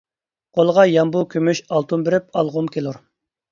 قولىغا يامبۇ كۈمۈش ئالتۇن بېرىپ ئالغۇم كېلۇر.